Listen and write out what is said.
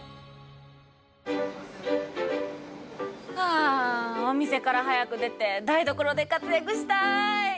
あお店から早く出て台所で活躍したい！